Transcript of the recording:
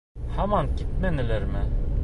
Һаман китмәнеләрме?